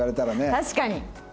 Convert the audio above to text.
確かに！